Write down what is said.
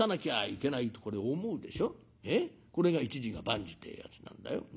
これが一事が万事ってえやつなんだよ。